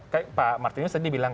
kayak pak martinus tadi bilang